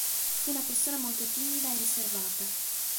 Fu una persona molto timida e riservata.